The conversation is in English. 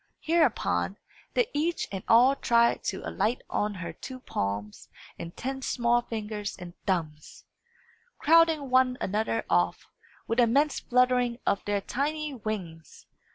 Hereupon, they each and all tried to alight on her two palms and ten small fingers and thumbs, crowding one another off, with an immense fluttering of their tiny wings.